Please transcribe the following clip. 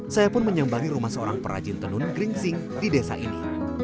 saya pun menyambangi rumah seorang perajin tenun geringsing di desa ini